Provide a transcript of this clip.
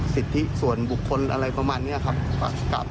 สิทธิส่วนบุคคลอะไรประมาณนี้ครับ